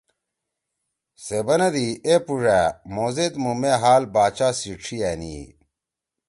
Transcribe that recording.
سے بنَدی: ”اے پُوڙأ! مھو زید مُو مے حال باچا سی ڇھی أنی ئی۔